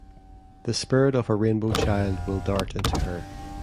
The spirit of a rainbow child will dart into her.